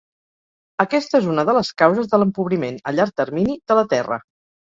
Aquesta és una de les causes de l'empobriment, a llarg termini, de la terra.